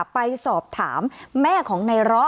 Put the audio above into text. ไปสอบถามแม่ของในร้อ